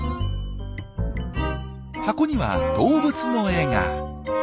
箱には動物の絵が。